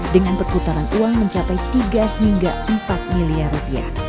dengan perputaran uang mencapai tiga hingga empat miliar rupiah